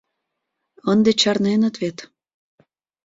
ЫФнде чарненыт вет.